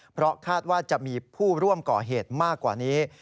เพราะคาดว่าจะมีผู้ร่วมก่อเหตุมากกว่านี้